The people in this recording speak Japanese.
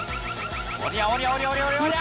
おりゃおりゃおりゃおりゃ。